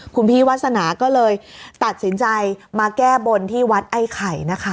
คุณพี่วาสนาก็เลยตัดสินใจมาแก้บนที่วัดไอ้ไข่นะคะ